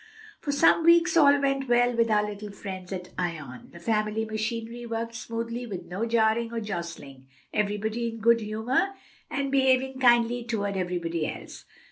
For some weeks all went well with our friends at Ion; the family machinery worked smoothly, with no jarring or jostling; everybody in good humor and behaving kindly toward everybody else.